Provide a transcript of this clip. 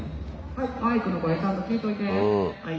マイクの声ちゃんと聞いといて。